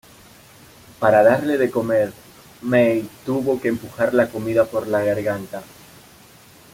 Para darle de comer, May tuvo que empujar la comida por la garganta.